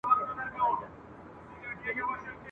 خو دانو ته یې زړه نه سو ټینګولای ..